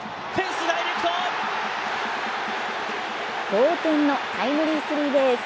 同点のタイムリースリーベース。